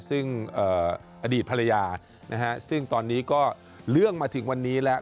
ซึ่งอดีตภรรยานะฮะซึ่งตอนนี้ก็เรื่องมาถึงวันนี้แล้ว